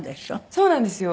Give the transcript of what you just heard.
そうなんですよ。